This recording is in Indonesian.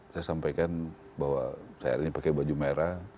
saya sampaikan bahwa saya hari ini pakai baju merah